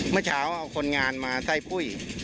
เมื่อเช้าเอาคนงานมาไส้ปุ้ย